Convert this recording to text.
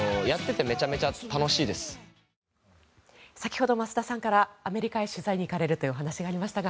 先ほど増田さんからアメリカへ取材に行かれるというお話がありましたが